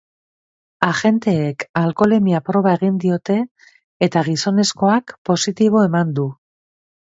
Agenteek alkoholemia proba egin diote eta gizonezkoak positibo eman du.